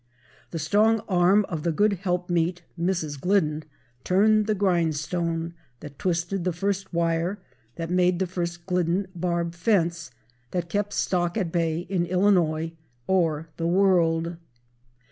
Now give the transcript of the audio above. The strong arm of the good helpmeet, Mrs. Glidden, turned the grindstone that twisted the first wire that made the first Glidden barb fence that kept stock at bay in Illinois or the world.